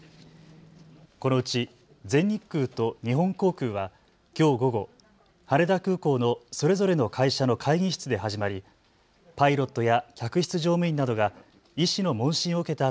このうち全日空と日本航空はきょう午後、羽田空港のそれぞれの会社の会議室で始まりパイロットや客室乗務員などが医師の問診を受けた